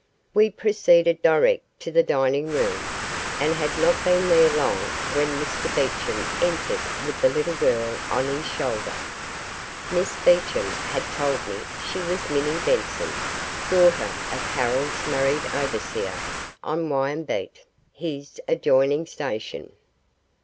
We proceeded direct to the dining room, and had not been there long when Mr Beecham entered with the little girl on his shoulder. Miss Beecham had told me she was Minnie Benson, daughter of Harold's married overseer on Wyambeet, his adjoining station.